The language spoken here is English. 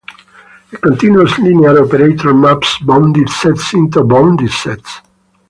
A continuous linear operator maps bounded sets into bounded sets.